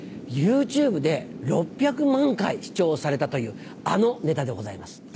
ユーチューブで６００万回視聴されたという、あのネタでございます。